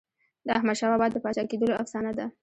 د احمدشاه بابا د پاچا کېدلو افسانه ده.